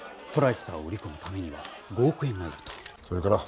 「トライスターを売り込むためには５億円が要る」と。